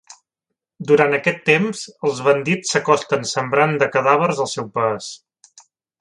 Durant aquest temps, els bandits s'acosten sembrant de cadàvers el seu pas.